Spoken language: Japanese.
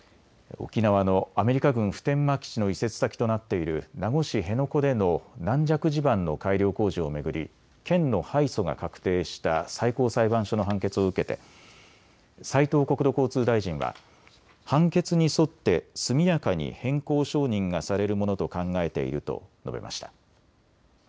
沖縄のアメリカ軍普天間基地の移設先となっている名護市辺野古での軟弱地盤の改良工事を巡り県の敗訴が確定した最高裁判所の判決を受けて斉藤国土交通大臣は判決に沿って速やかに変更承認がされるものと考えていると述べました。